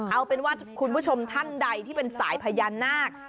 เอาเป็นว่าคุณผู้ชมท่านใดที่เป็นสายพญานาค